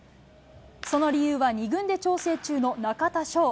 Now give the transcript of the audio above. その理由は２軍で調整中の中田翔。